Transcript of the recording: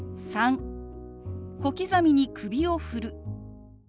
３小刻みに首を振る。